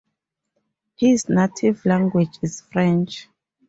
His native language is French.